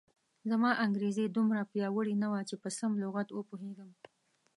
زما انګریزي دومره پیاوړې نه وه چې په سم لغت و پوهېږم.